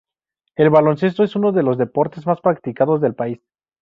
El baloncesto es uno de los deportes más practicados del país.